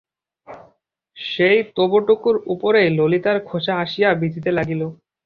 সেই তবুটুকুর উপরেই ললিতার খোঁচা আসিয়া বিঁধিতে লাগিল।